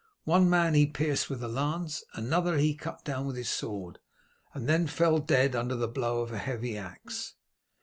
One man he pierced with a lance, another he cut down with his sword, and then fell dead under the blow of a heavy axe.